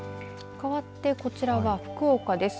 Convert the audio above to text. かわってこちらは福岡です。